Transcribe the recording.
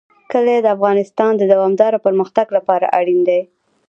کلي د افغانستان د دوامداره پرمختګ لپاره اړین دي.